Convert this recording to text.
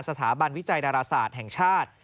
สถาบันวิจัยดาราศาสตร์แห่งชาติ